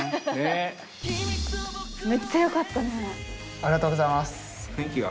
ありがとうございます。